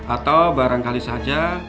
atau barangkali saja